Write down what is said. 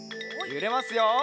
ゆれますよ。